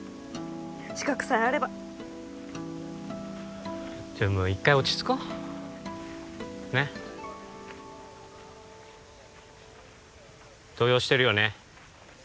資格さえあればちょっもう一回落ち着こうねっ動揺してるよね